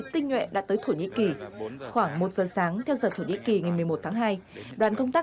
tinh nhuệ đã tới thổ nhĩ kỳ khoảng một giờ sáng theo giờ thổ nhĩ kỳ ngày một mươi một tháng hai đoàn công tác